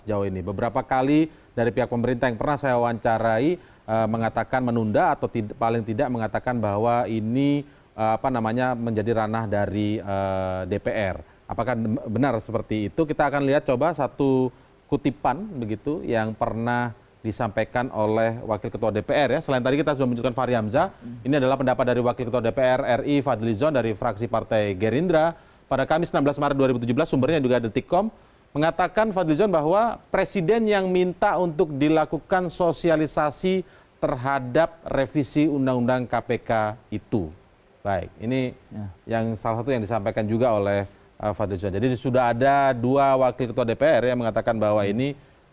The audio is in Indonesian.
jadi sudah ada dua wakil ketua dpr yang mengatakan bahwa ini